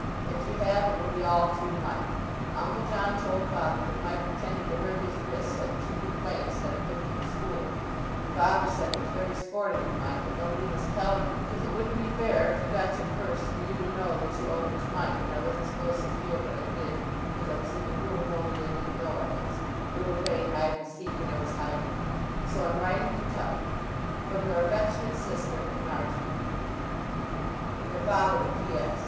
If you have, it will be all through Mike. Uncle John told Father that Mike pretended to hurt his wrist so that you could play instead of him for the school, and Father said it was very sporting of Mike but nobody must tell you because it wouldn't be fair if you got your first for you to know that you owed it to Mike and I wasn't supposed to hear but I did because I was in the room only they didn't know I was (we were playing hide and seek and I was hiding) so I'm writing to tell you, "From your affectionate sister "Marjory." There followed a P.S.